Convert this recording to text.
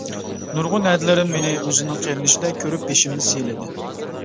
نۇرغۇن ھەدىلىرىم مېنى ئۆزىنىڭ قېرىندىشىدەك كۆرۈپ بېشىمنى سىيلىدى.